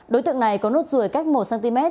đối tượng này có nốt ruồi cách một cm